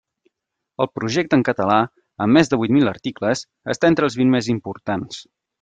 El projecte en català, amb més de vuit mil articles, està entre els vint més importants.